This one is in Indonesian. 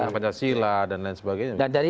pancasila dan lain sebagainya